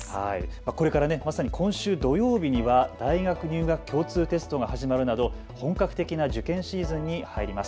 これからまさに今週土曜日には大学入学共通テストが始まるなど本格的な受験シーズンに入ります。